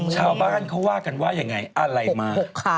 ชาวบ้านเขาว่ากันว่ายังไงอะไรมา